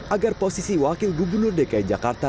agar posisi wakil gubernur dki jakarta